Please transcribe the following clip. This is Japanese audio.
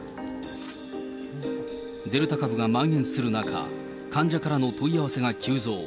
デルタ株がまん延する中、患者からの問い合わせが急増。